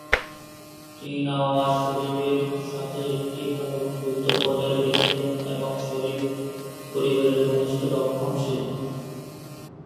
তিনি নওয়াজ শরীফের সাথে একটি ভাল বন্ধুত্ব বজায় রেখেছিলেন এবং শরীফ পরিবারের ঘনিষ্ঠ রক্ষণশীল।